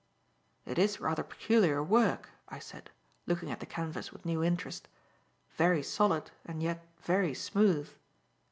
"It is rather peculiar work," I said, looking at the canvas with new interest. "Very solid and yet very smooth."